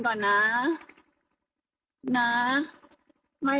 ขอบคุณครับ